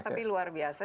tapi luar biasa